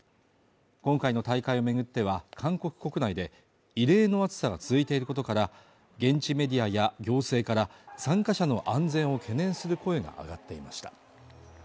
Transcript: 今回の大会を巡っては韓国国内で異例の暑さが続いていることから現地メディアや行政から参加者の安全を懸念する声が上がっていました